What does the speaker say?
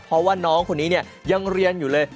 เพราะว่าน้องคนนี้เนี่ยยังเรียนอยู่เลย